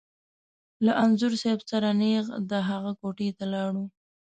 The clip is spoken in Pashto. له انځور صاحب سره نېغ د هغه کوټې ته لاړو.